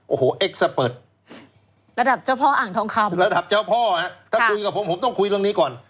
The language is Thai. โอ้โหเอ็กซ์เปิดระดับเจ้าพ่ออ่างทองคำระดับเจ้าพ่อถ้าคุยกับผมผมต้องคุยเรื่องนี้ก่อน